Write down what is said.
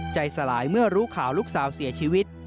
สลายเมื่อรู้ข่าวลูกสาวเสียชีวิต